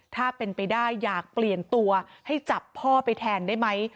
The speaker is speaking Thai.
ถ้าเป็นไปได้อยากเปลี่ยนตัวให้จับพ่อไปแทนได้ไหม